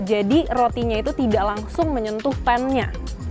jadi rotinya itu tidak langsung menyentuh pan nya